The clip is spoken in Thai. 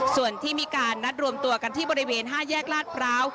ส่วนที่มีการนัดรวมตัวกันที่บริเวณ๕แยกลาดพร้าว